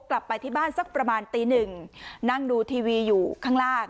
กลับไปที่บ้านสักประมาณตีหนึ่งนั่งดูทีวีอยู่ข้างล่าง